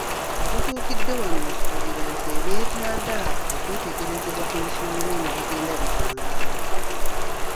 We tutuukidde wano nsuubira nti ebyetaaga okwetegerezebwa ku nsonga eno bigenda bitangaala.